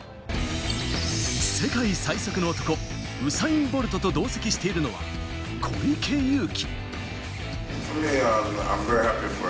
世界最速の男、ウサイン・ボルトと同席しているのは小池祐貴。